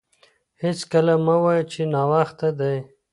هېڅکله مه وايه چي ناوخته دی.